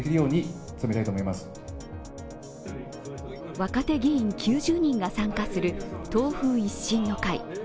若手議員９０人が参加する党風一新の会。